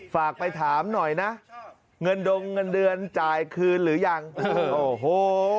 ฝากไปถามหน่อยนะเงินดงเงินเดือนจ่ายคืนหรือยังโอ้โห